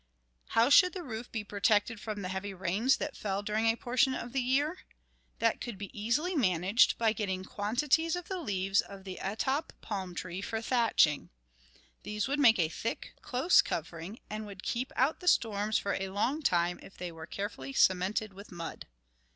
How should the roof be protected from the heavy rains that fell during a portion of the year? That could be easily managed by getting quantities of the leaves of the atap palm tree for thatching. These would make a thick, close covering, and would keep out the storms for a long time if they were carefully cemented with mud.